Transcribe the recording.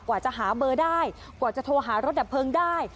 กว่าจะหาเบอร์ได้กว่าจะโทรหารถดับเพลิงได้